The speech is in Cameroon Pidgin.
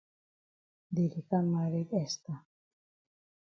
Dey di kam maret Esther.